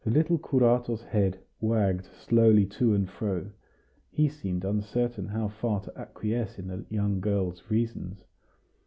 The little curato's head wagged slowly to and fro; he seemed uncertain how far to acquiesce in the young girl's reasons.